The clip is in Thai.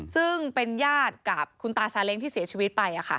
ซึ่งเป็นญาติกับคุณตาซาเล้งที่เสียชีวิตไป